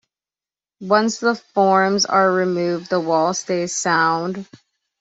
Once the forms are removed the wall stays sound.